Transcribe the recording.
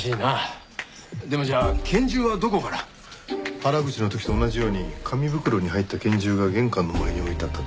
原口の時と同じように紙袋に入った拳銃が玄関の前に置いてあったと。